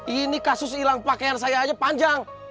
ini kasus hilang pakaian saya aja panjang